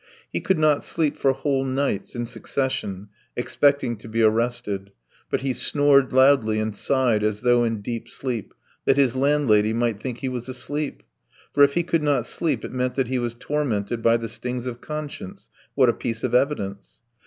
He could not sleep for whole nights in succession expecting to be arrested, but he snored loudly and sighed as though in deep sleep, that his landlady might think he was asleep; for if he could not sleep it meant that he was tormented by the stings of conscience what a piece of evidence!